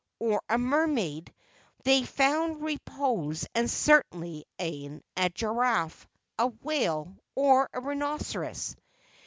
or a Mermaid, they found repose and certainty in a Giraffe, a Whale or a Rhinoceros.